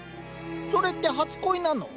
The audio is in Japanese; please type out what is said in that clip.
それって初恋なの？